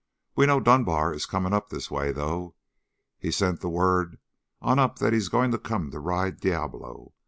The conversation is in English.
"We know Dunbar is coming up this way, though. He sent the word on up that he's going to come to ride Diablo.